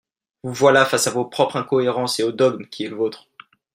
Vous voilà face à vos propres incohérences et au dogme qui est le vôtre.